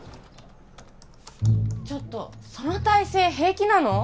ちょっとその体勢平気なの？